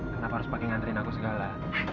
kenapa harus pake nganterin aku segala